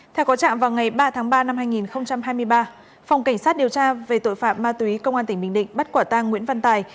theo có trạm vào ngày ba tháng ba năm hai nghìn hai mươi ba phòng cảnh sát điều tra về tội phạm ma túy công an tỉnh bình định bắt quả tang nguyễn văn tài